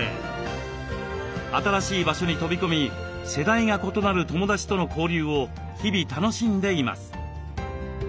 新しい場所に飛び込み世代が異なる友だちとの交流を日々楽しんでいます。